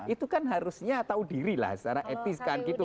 itu kan harusnya tahu diri lah secara etis kan gitu